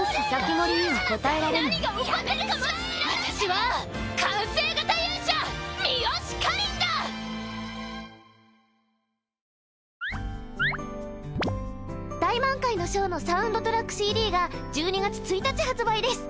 「ー大満開の章ー」のサウンドトラックＣＤが１２月１日発売です。